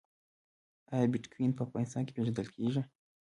آیا بټکوین په افغانستان کې پیژندل کیږي؟